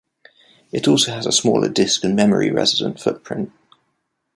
It also has a smaller disk and memory-resident footprint.